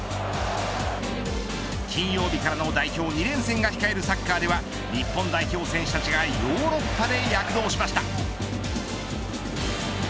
金曜日からの代表２連戦が控えるサッカーでは日本代表選手たちがヨーロッパで躍動しました。